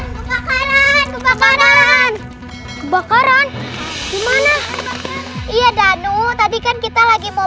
kebakaran kebakaran kebocoran gimana iya danu tadi kan kita lagi mau